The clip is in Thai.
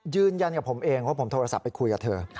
ยืนยันกับผมเองเพราะผมโทรศัพท์ไปคุยกับเธอ